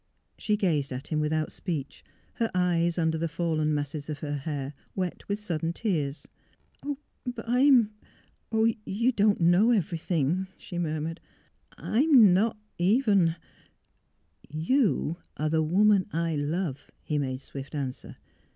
" She gazed at him without speech, her eyes, un der the fallen masses of her hair, wet with sud den tears. '' But I You don 't know — everything, '' she murmured. " I am not even "'' You are the woman I love," he made swift answer.